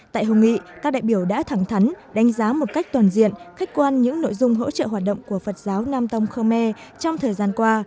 tại hùng nghị các đại biểu đã thẳng thắn đánh giá một cách toàn diện khách quan những nội dung hỗ trợ hoạt động của phật giáo nam tông khơ me trong thời gian qua